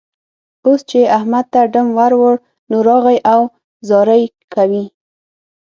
اوس چې يې احمد ته ډم ور وړ؛ نو، راغی او زارۍ کوي.